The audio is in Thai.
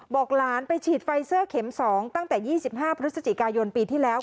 บอกหลานไปฉีดไฟเซอร์เข็ม๒ตั้งแต่๒๕พฤศจิกายนปีที่แล้ว